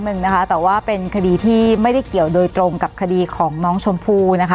หนึ่งนะคะแต่ว่าเป็นคดีที่ไม่ได้เกี่ยวโดยตรงกับคดีของน้องชมพู่นะคะ